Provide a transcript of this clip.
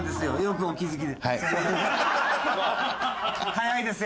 早いです